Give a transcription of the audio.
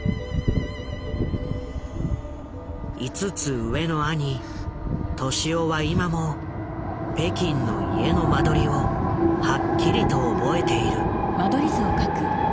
５つ上の兄俊夫は今も北京の家の間取りをはっきりと覚えている。